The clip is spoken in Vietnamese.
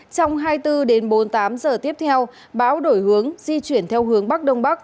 trong hai mươi bốn đến bốn mươi tám giờ tiếp theo bão đổi hướng di chuyển theo hướng bắc đông bắc